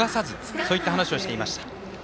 そういった話をしていました。